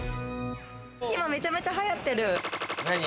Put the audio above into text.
今めちゃめちゃ流行っている。